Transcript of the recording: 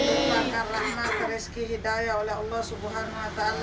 dibiwakan rahmat dari rezeki hidayah oleh allah subhanahu wa ta'ala